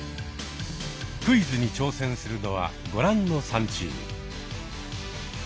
クイズに挑戦するのはご覧の３チーム。